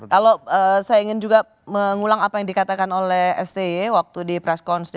kalau saya ingin juga mengulang apa yang dikatakan oleh sti waktu di press cons